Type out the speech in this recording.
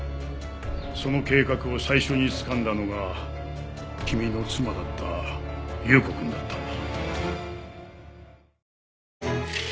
その計画を最初につかんだのが君の妻だった有雨子くんだったんだ。